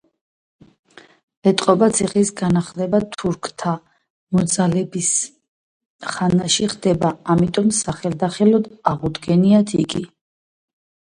ეტყობა ციხის განახლება თურქთა მოძალების ხანაში ხდება, ამიტომ სახელდახელოდ აღუდგენიათ იგი.